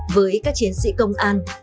với các chiến sĩ công an